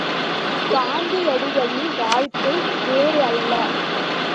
காந்தியடிகளின் வாழ்க்கை வேறு அல்ல.